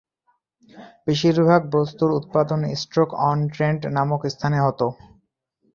বেশিরভাগ বস্তুর উৎপাদন ষ্টোক-অন-ট্রেন্ট নামক স্থানে হত।